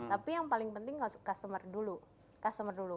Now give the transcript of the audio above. tapi yang paling penting customer dulu